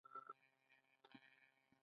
آیا د دوی اغیز په هر ځای کې نه دی؟